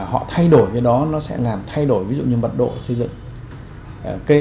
họ thay đổi cái đó nó sẽ làm thay đổi ví dụ như mật độ xây dựng